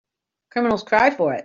Criminals cry for it.